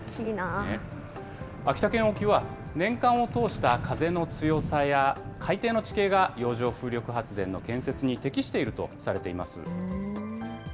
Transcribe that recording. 秋田県沖は、年間を通した風の強さや海底の地形が、洋上風力発電の建設に適しているとされています。